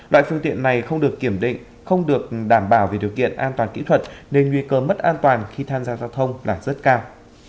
loại phương tiện này không được kiểm định không được đảm bảo về điều kiện an toàn kỹ thuật nên nguy cơ mất an toàn khi tham gia giao thông là rất cao